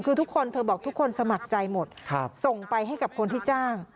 คือทุกคนเธอบอกทุกคนสมัครใจหมดส่งไปให้กับคนที่จ้าง